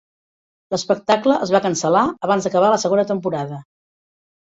L'espectacle es va cancel·lar abans d'acabar la segona temporada.